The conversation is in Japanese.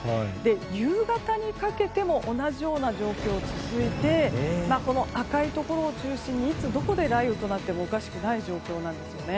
夕方にかけても同じような状況が続いて、赤いところを中心にいつどこで雷雨となってもおかしくない状況なんです。